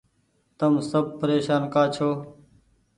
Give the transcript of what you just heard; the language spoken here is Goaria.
تم سب پريشان ڪآ ڇو۔